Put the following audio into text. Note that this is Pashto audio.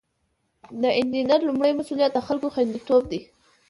د انجینر لومړی مسؤلیت د خلکو خوندیتوب دی.